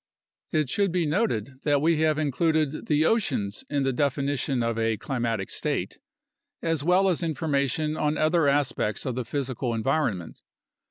It should be noted that we have included the oceans in the definition of a climatic state, as well as information on other aspects of the physical environment.